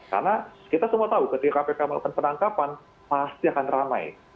karena kita semua tahu ketika kpk melakukan penangkapan pasti akan ramai